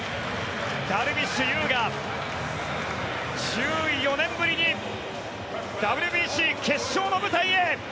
ダルビッシュ有が１４年ぶりにＷＢＣ決勝の舞台へ。